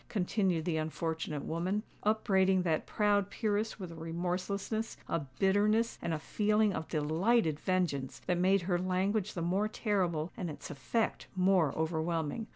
continued the unfortunate woman, upbraiding that proud peeress with a remorselessness, a bitterness, and a feeling of delighted vengeance that made her language the more terrible and its effect more overwhelming.